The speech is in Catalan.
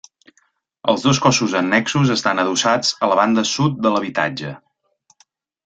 Els dos cossos annexos estan adossats a la banda sud de l'habitatge.